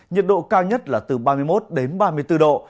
nhiệt độ cao nhất là từ ba mươi một đến ba mươi bốn độ